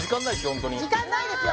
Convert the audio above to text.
ホントに時間ないですよ